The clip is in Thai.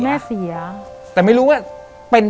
แต่ขอให้เรียนจบปริญญาตรีก่อน